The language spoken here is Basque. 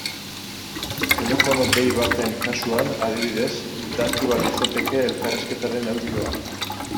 Telefono dei baten kasuan, adibidez, datua litzateke elkarrizketaren audioa.